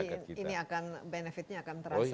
jadi ini akan benefitnya akan terasa langsung